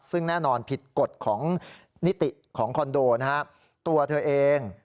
ซึ่งแน่นอนผิดกฎของนิติของคอนโดนะฮะตัวเธอเอง